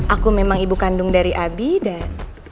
aku memang ibu kandung dari abi dan